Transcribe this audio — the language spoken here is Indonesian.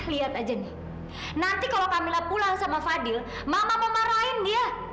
lihat aja nih nanti kalau kamila pulang sama fadil mama memarahin dia